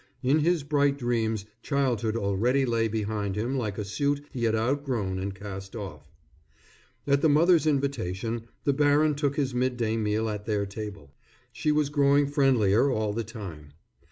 In his bright dreams childhood already lay behind him like a suit he had outgrown and cast off. At the mother's invitation, the baron took his mid day meal at their table. She was growing friendlier all the time.